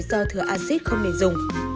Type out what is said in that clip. do thừa acid không nên dùng